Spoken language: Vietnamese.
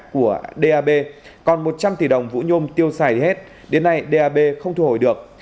của dap còn một trăm linh tỷ đồng vũ nhôm tiêu xài hết đến nay dab không thu hồi được